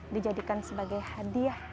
dijadikan sebagai hadiah